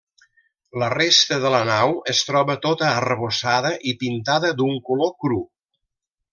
La resta de la nau es troba tota arrebossada i pintada d'un color cru.